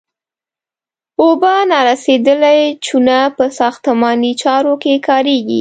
اوبه نارسیدلې چونه په ساختماني چارو کې کاریږي.